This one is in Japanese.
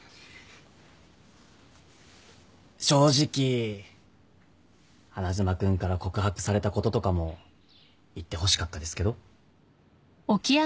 正直花妻君から告白されたこととかも言ってほしかったですけど。